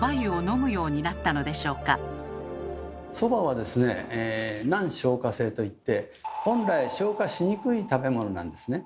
ではそばはですね「難消化性」といって本来消化しにくい食べ物なんですね。